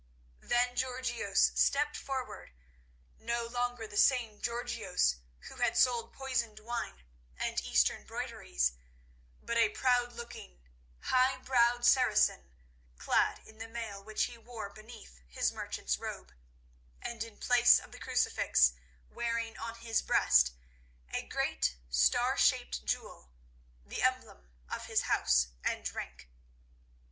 Then Georgios stepped forward, no longer the same Georgios who had sold poisoned wine and Eastern broideries, but a proud looking, high browed Saracen clad in the mail which he wore beneath his merchant's robe, and in place of the crucifix wearing on his breast a great star shaped jewel, the emblem of his house and rank.